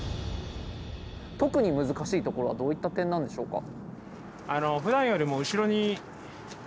特に難しいところはどういった点なんでしょうか？